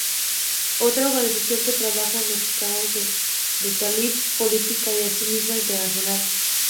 Otra organización que trabaja en los casos de brutalidad policial es Amnistía Internacional.